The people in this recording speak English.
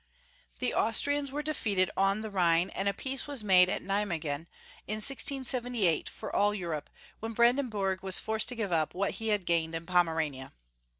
The Austrians were defeated on the Rhine and a peace was made at Nimeguen in 1678 for all Europe, when Brandenburg was forced to give up what he had gained in Pomerania.